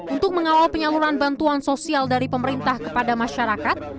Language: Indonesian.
untuk mengawal penyaluran bantuan sosial dari pemerintah kepada masyarakat